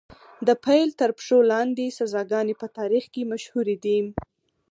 د پیل تر پښو لاندې سزاګانې په تاریخ کې مشهورې دي.